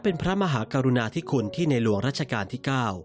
เป็นพระมหากรุณาธิคุณที่ในหลวงรัชกาลที่๙